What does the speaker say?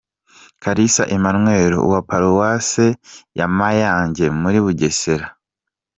Kalisa Emmanuel; uwa Paruwase ya Mayange muri Bugesera, Rev.